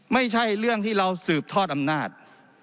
ไม่ใช่เรื่องที่เราสืบทอดอำนาจ